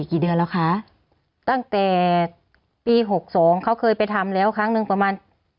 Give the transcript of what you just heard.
กี่เดือนแล้วคะตั้งแต่ปีหกสองเขาเคยไปทำแล้วครั้งหนึ่งประมาณ